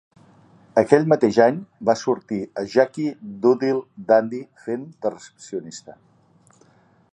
Aquell mateix any va sortir a 'Yankee Doodle Dandy' fent de recepcionista.